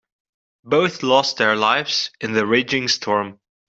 Both lost their lives in the raging storm.